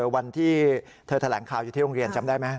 วันที่เธอแถลงข่าวอยู่ที่โรงเรียนจำได้ไหม